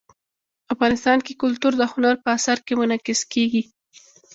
افغانستان کې کلتور د هنر په اثار کې منعکس کېږي.